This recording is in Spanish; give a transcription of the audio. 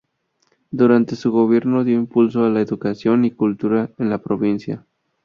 Durante su gobierno dio impulso a la educación y cultura en la provincia.